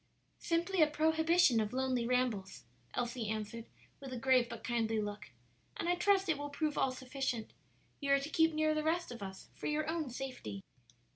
"Simply a prohibition of lonely rambles," Elsie answered, with a grave but kindly look; "and I trust it will prove all sufficient; you are to keep near the rest of us for your own safety."